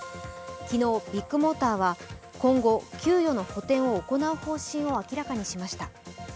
昨日、ビッグモーターは今後給与の補填を行う方針を明らかにしました。